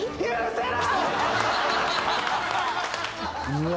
うわ。